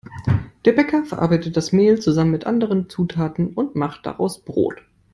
Der Bäcker verarbeitet das Mehl zusammen mit anderen Zutaten und macht daraus Brot.